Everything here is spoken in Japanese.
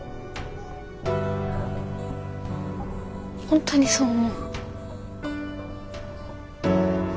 本当にそう思うの？